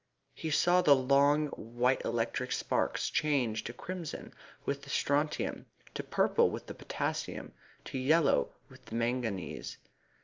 He saw the long white electric sparks change to crimson with the strontium, to purple with the potassium, to yellow with the manganese.